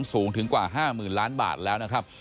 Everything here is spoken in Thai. สูงถึงกว่า๕๐๐๐ล้านบาทแล้วนะครับ